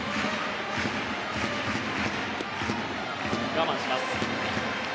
我慢します。